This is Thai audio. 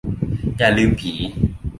อย่าลืมผี